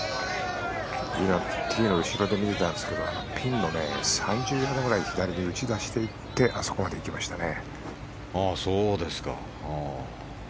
ティーの後ろで見てたんですがピンの３０ヤードぐらい左に打ち出していってあそこまで行きましたね。